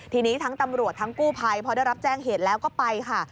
ทีนี้ทั้งตำรวจทั้งกู้ภัยพอได้รับแจ้งเหตุแล้วก็ไปค่ะ